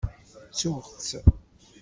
Ttuɣ-tt.